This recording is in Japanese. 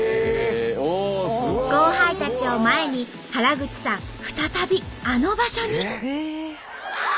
後輩たちを前に原口さん再びあの場所に。